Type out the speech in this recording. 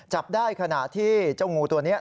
จับได้ขณะที่เจ้างูตัวนี้